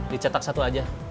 dicetak satu aja